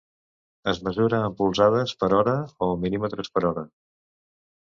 Es mesura en polzades per hora o mil·límetres per hora.